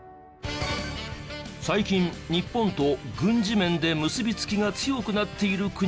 最近日本と軍事面で結びつきが強くなっている国はどこ？